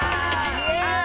イエーイ！